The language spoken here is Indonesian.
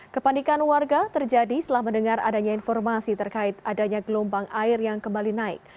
kepanikan warga terjadi setelah mendengar adanya informasi terkait adanya gelombang air yang kembali naik